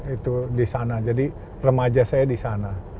itu di sana jadi remaja saya di sana